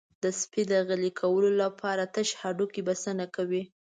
د سپي د غلي کولو لپاره تش هډوکی بسنه کوي.